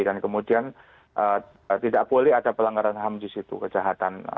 dan kemudian tidak boleh ada pelanggaran ham di situ kejahatan